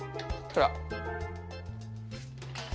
ほら。